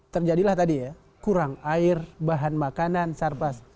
terjadilah tadi ya kurang air bahan makanan sarpas